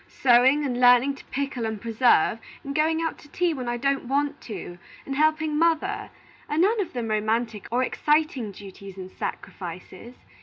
Sewing, and learning to pickle and preserve, and going out to tea when I don't want to, and helping mother, are none of them romantic or exciting duties and sacrifices.